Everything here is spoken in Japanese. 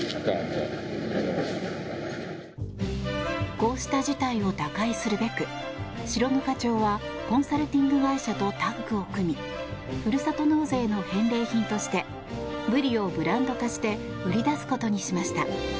こうした事態を打開するべく白糠町はコンサルティング会社とタッグを組みふるさと納税の返礼品としてブリをブランド化して売り出すことにしました。